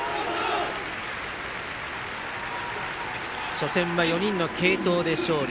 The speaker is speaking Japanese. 初戦は４人の継投で勝利。